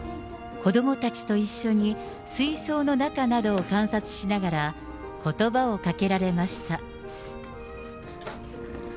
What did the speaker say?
子どもたちと一緒に水槽の中などを観察しながら、ことばをかけられました。